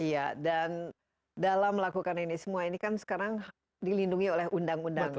iya dan dalam melakukan ini semua ini kan sekarang dilindungi oleh undang undang